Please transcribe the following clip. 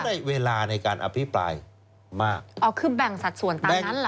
ได้เวลาในการอภิปรายมากอ๋อคือแบ่งสัดส่วนตามนั้นเหรอ